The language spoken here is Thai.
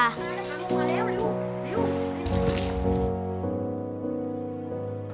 พาหนูมาแล้วริ้ว